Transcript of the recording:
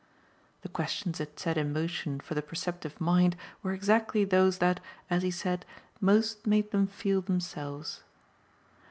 The questions it set in motion for the perceptive mind were exactly those that, as he said, most made them feel themselves.